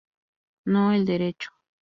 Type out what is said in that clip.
No, el derecho"".